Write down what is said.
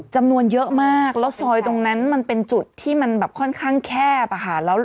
จำนวนเยอะมากแล้วซอยตรงนั้นมันเป็นจุดที่มันแบบค่อนข้างแคบอะค่ะ